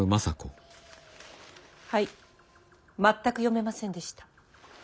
全く読めませんでした。